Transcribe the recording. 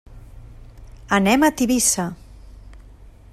Anem a Tivissa.